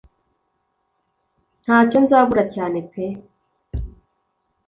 nta cyo nzabura cyane pe